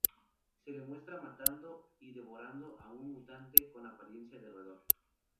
Se le muestra matando y devorando a un mutante con apariencia de roedor.